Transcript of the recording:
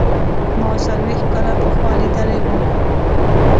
ما څلوېښت کاله پخوا لیدلی و.